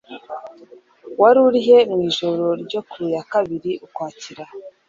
Wari urihe mu ijoro ryo ku ya kabiri Ukwakira